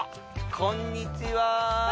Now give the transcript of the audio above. こんにちは